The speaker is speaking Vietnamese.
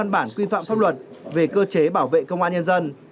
bản quy phạm pháp luật về cơ chế bảo vệ công an nhân dân